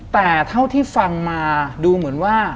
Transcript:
ทำไมเขาถึงจะมาอยู่ที่นั่น